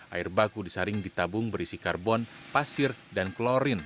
air baku disaring di tabung berisi karbon pasir dan klorin